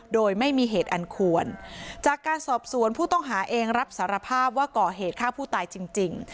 โดยไม่มีเหตุอันควรจากการสอบสวนผู้ต้องหาเองรับสารภาพว่าก่อเหตุฆ่าผู้ตายจริง